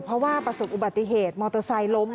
เพราะว่าประสบอุบัติเหตุมอเตอร์ไซค์ล้ม